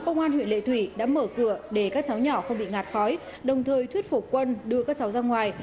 công an huyện lệ thủy đã mở cửa để các cháu nhỏ không bị ngạt khói đồng thời thuyết phục quân đưa các cháu ra ngoài